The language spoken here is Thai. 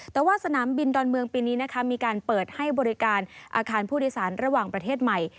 แต่ว่าสนามบินดอนเมืองปีนี้นะคะมีการเปิดให้บริการอาคารผู้โดยสารระหว่างประเทศใหม่